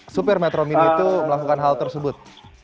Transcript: supir metro mini itu melakukan hal tersebut